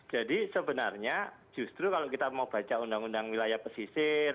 jadi sebenarnya justru kalau kita mau baca undang undang wilayah pesisir